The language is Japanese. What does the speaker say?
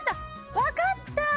分かった！